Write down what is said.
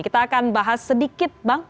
kita akan bahas sedikit bang